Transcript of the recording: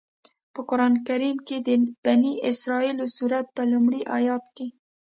په قرآن کریم کې د بنی اسرائیل سورت په لومړي آيت کې.